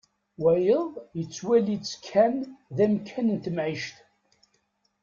Wayeḍ yettwali-tt kan d amkan n temɛict.